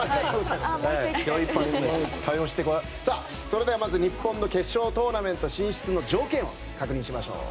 それでは、まず日本の決勝トーナメント進出の条件を確認しましょう。